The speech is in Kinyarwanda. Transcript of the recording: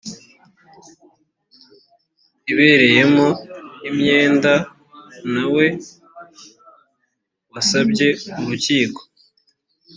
ibereyemo imyenda ntawe wasabye urukiko